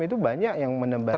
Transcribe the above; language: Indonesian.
itu banyak yang menebak kebencian